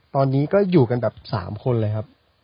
ตอนนี้ก็อยู่กันแบบ๓คนเลยครับ